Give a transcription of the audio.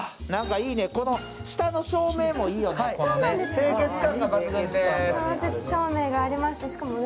いいね、下の照明もいいよね